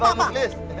pak pak pak